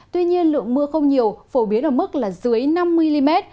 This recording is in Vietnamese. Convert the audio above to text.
tuy nhiên lượng mưa không nhiều phổ biến ở mức là dưới năm mm